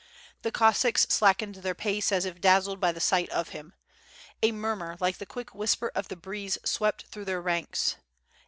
The Cossacks slackened their pace as if dazzled by the sight of him. A murmur like the quick whisper of the breeze swept through their ranks.